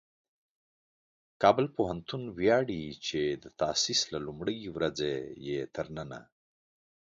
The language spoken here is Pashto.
کابل پوهنتون ویاړي چې د تاسیس له لومړۍ ورځې یې تر ننه